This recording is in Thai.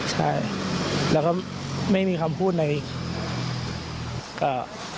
ใช่แล้วก็ไม่มีคำพูดในนี้นะครับ